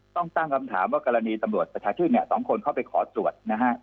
ต้องตั้งคำถามว่ากรณีตำรวจประชาชื่น๒คนเข้าไปขอตรวจนะฮะ